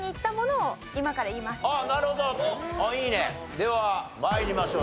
では参りましょう。